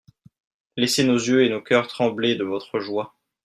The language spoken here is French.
Laissez nos yeux et nos cœurs trembler de votre joie.